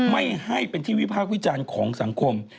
ไม่ให้เป็นทีวิพากฤศจรรย์ของสังคม